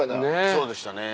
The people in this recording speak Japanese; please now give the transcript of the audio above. そうでしたね。